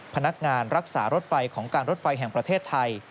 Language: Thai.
พนักงานรักษารถไฟของการรถไฟแห่งประเทศไทย